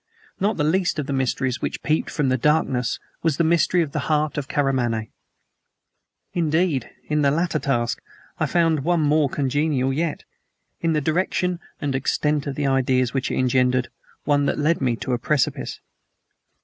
Not the least of the mysteries which peeped from the darkness was the mystery of the heart of Karamaneh. I sought to forget her. I sought to remember her. Indeed, in the latter task I found one more congenial, yet, in the direction and extent of the ideas which it engendered, one that led me to a precipice.